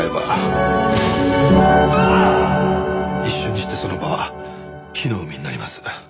一瞬にしてその場は火の海になります。